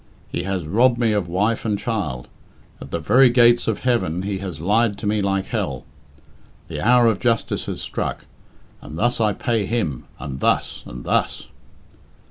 He has robbed me of wife and child; at the very gates of heaven he has lied to me like hell. The hour of justice has struck, and thus I pay him and thus and thus."